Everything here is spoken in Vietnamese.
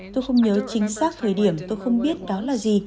tôi không nhớ chính xác thời điểm tôi không biết đó là gì